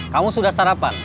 kamu sudah sarapan